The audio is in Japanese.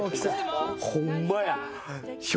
ホンマや。